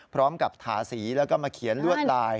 พร้อมกับถาสีแล้วก็มาเขียนลวดลาย